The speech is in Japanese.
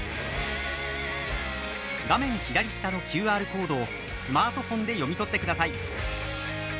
画面左下のＱＲコードをスマートフォンで読み取ってください。